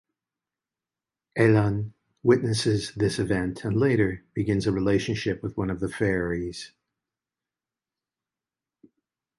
Alun witnesses this event and later begins a relationship with one of the faeries.